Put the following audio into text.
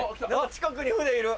近くに舟いる。